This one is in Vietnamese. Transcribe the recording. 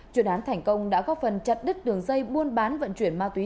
chuyển án thành công đã góp phần chặt đứt đường dây buôn bán vận chuyển ma túy